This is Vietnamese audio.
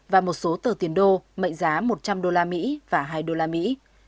và một số tờ tiền đô mệnh giá một trăm linh đô la mỹ và hai đô la mỹ